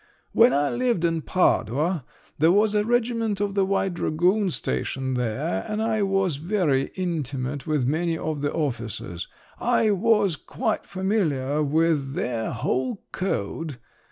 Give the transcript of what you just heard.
… When I lived in Padua there was a regiment of the white dragoons stationed there, and I was very intimate with many of the officers!… I was quite familiar with their whole code.